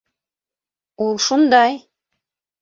—Ул шундай...